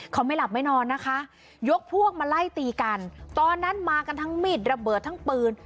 เขาไม่หลับไม่นอนนะคะยกพวกมาไล่ตีกันตอนนั้นมากันทั้งมีดระเบิดทั้งปืน